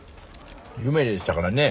夢でしたからね